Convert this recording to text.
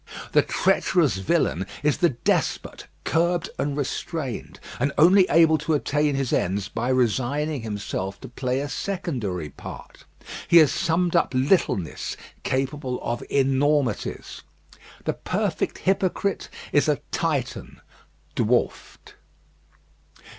The treacherous villain is the despot curbed and restrained, and only able to attain his ends by resigning himself to play a secondary part. He is summed up littleness capable of enormities. The perfect hypocrite is a Titan dwarfed.